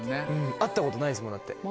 会ったことないですもんだって。